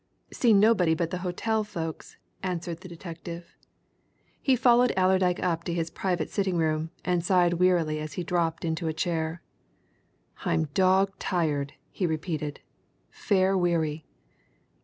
"Seen nobody but the hotel folks," answered the detective. He followed Allerdyke up to his private sitting room and sighed wearily as he dropped into a chair. "I'm dog tired," he repeated. "Fair weary!"